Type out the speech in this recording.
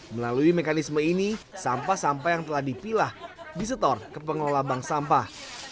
melalui mekanisme ini sampah sampah yang telah dipilah disetor ke pengelola bank sampah